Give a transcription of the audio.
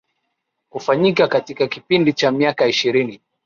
kufanyika katika kipindi cha miaka ishirini